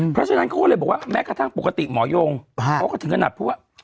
เพราะฉะนั้นเขาก็เลยบอกว่าแม้กระทั่งปกติหมอยงเขาก็ถึงขนาดพูดว่า